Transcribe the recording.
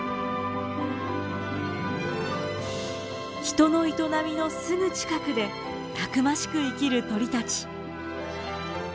人の営みのすぐ近くでたくましく生きる鳥たち。